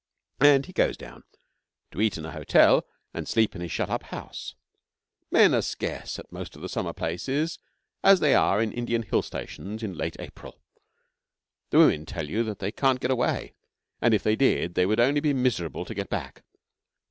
And he goes down to eat in a hotel and sleep in his shut up house. Men are as scarce at most of the summer places as they are in Indian hill stations in late April. The women tell you that they can't get away, and if they did they would only be miserable to get back.